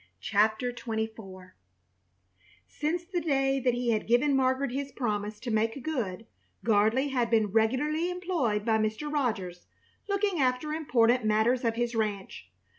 CHAPTER XXIV Since the day that he had given Margaret his promise to make good, Gardley had been regularly employed by Mr. Rogers, looking after important matters of his ranch.